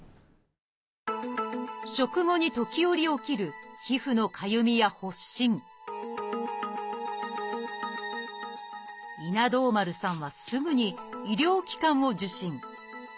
食後に時折起きる皮膚のかゆみや発疹稲童丸さんはすぐに医療機関を受診。